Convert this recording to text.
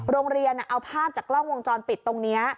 โรงเรียนเอาภาพจากกล้องวงจรปิดตรงนี้